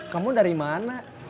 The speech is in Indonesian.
kamu dari mana